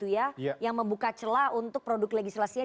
yang membuka celah untuk produk legislasinya